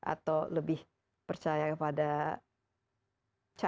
atau lebih percaya kepada caleg